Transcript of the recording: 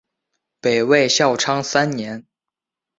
北魏孝昌三年。